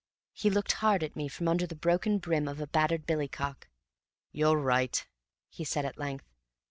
He looked hard at me from under the broken brim of a battered billycock. "You're right," he said at length.